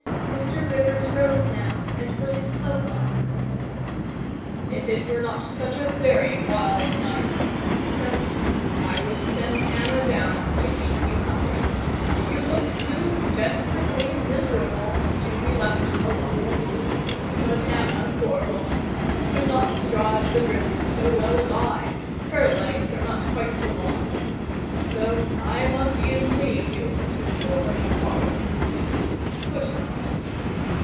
Mr. Rivers rose now and put his cloak on. "If it were not such a very wild night," he said, "I would send Hannah down to keep you company: you look too desperately miserable to be left alone. But Hannah, poor woman! could not stride the drifts so well as I: her legs are not quite so long: so I must e'en leave you to your sorrows. Good night."